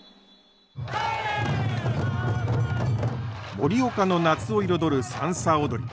盛岡の夏を彩るさんさ踊り。